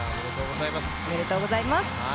おめでとうございます。